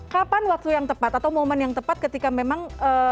kapan waktu yang tepat atau momen yang tepat ketika memang